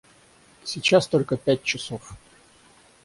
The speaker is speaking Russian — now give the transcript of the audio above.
Сейчас только пять часов.